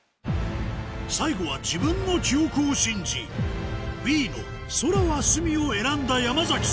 最後は自分の記憶を信じＢの「そらはすみ」を選んだ山さん